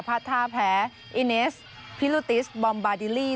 ภาษาแพ้อินิสพิลุติสบอมบาดิลลี่